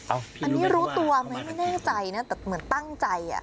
อันนี้รู้ตัวไหมไม่แน่ใจนะแต่เหมือนตั้งใจ